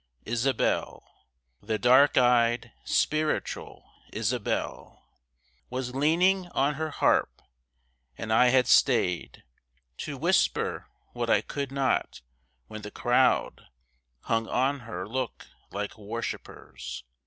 Isabel, The dark eyed, spiritual Isabel Was leaning on her harp, and I had staid To whisper what I could not when the crowd Hung on her look like worshippers.